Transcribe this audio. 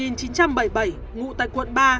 ngụ tại quận ba